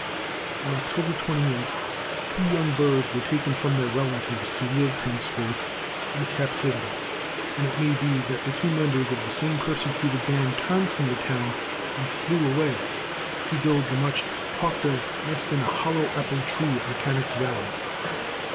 On October 28 two young birds were taken from their relatives to live henceforth in captivity, and it may be that two members of the same persecuted band turned from the town and flew away to build the much talked of nest in a hollow apple tree at Mechanics' Valley.